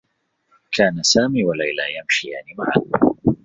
كان سامي وليلى يمشيان معًا.